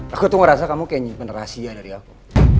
aku tuh ngerasa kamu kayak nyimpen rahasia dari aku